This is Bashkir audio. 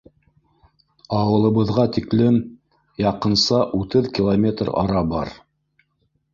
Ауылыбыҙға тиклем яҡынса утыҙ километр ара бар.